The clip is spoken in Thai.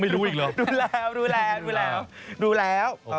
ดูแล้วดูแล้ว